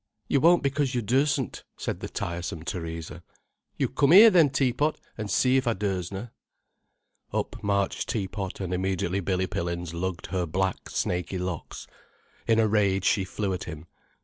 "You won't because you dursn't," said the tiresome Theresa. "You come here, then, Tea pot, an' see if I dursna." Up marched Tea pot, and immediately Billy Pillins lugged her black, snaky locks. In a rage she flew at him.